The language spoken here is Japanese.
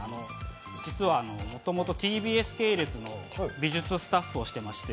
実はもともとＴＢＳ系列の美術スタッフをしていまして。